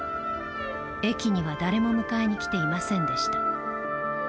駅には誰も迎えに来ていませんでした。